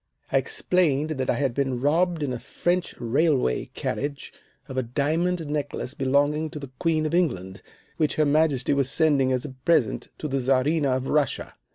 "I explained that I had been robbed in a French railway carriage of a diamond necklace belonging to the Queen of England, which her Majesty was sending as a present to the Czarina of Russia.